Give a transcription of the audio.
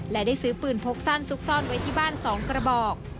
และได้ซื้อปืนพกสั้นซุกซ่อนไว้ที่บ้าน๒กระบอก